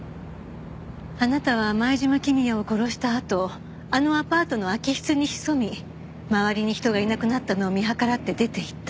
あなたは前島公也を殺したあとあのアパートの空き室に潜み周りに人がいなくなったのを見計らって出て行った。